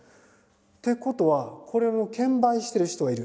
ってことはこれの券売してる人がいる。